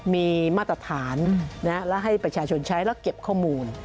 มีมาตรฐานและให้ประชาชนใช้แล้วเก็บข้อมูล